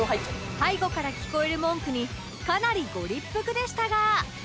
背後から聞こえる文句にかなりご立腹でしたが